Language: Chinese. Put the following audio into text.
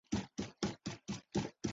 诺维拉尔。